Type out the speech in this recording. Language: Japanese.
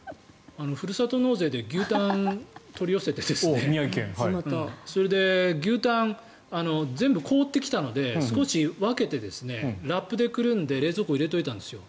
ふるさと納税で牛タンを取り寄せてそれで、牛タン全部凍ってきたので少し分けて、ラップでくるんで冷蔵庫に入れておいたんですよ。